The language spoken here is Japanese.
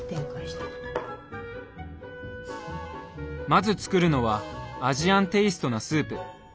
まず作るのはアジアンテイストなスープ。